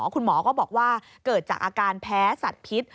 คุณหมอก็บอกว่าเกิดจากอาการแพ้สัตว์พิษ